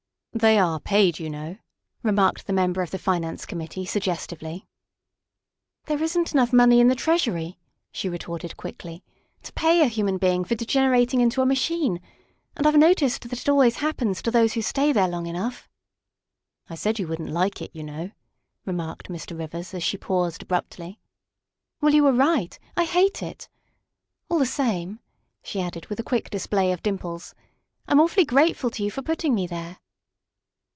' They are paid, you know," remarked the member of the Finance Committee suggestively. " There isn't enough money in the Treasury," she retorted quickly, " to pay a human being for degen erating into a machine, and I've noticed that it always happens to those who stay there long enough." ' I said you wouldn't like it, you know," remarked Mr. Rivers as she paused abruptly. " Well, you were right I hate it. All the same," she added with a quick display of dimples, "I'm awfully grateful to you for putting me there."